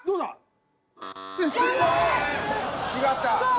違った。